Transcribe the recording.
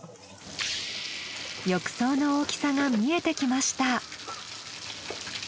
浴槽の大きさが見えてきました。